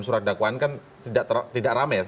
surat dakwaan kan tidak rame ya